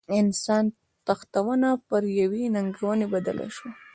انسان تښتونه پر یوې ننګونې بدله شوه.